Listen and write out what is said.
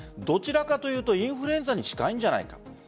どちらかというとインフルエンザに近いんじゃないか。